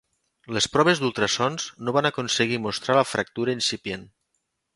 Les proves d'ultrasons no van aconseguir mostrar la fractura incipient.